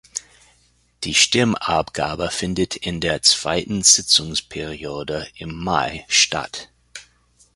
Die Stimmabgabe findet in der zweiten Sitzungsperiode im Mai statt.